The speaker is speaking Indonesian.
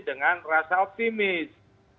dengan rasa optimis